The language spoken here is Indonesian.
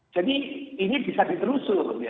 jadi ini bisa diterusur